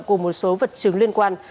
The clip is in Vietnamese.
cùng một số vật chứng liên quan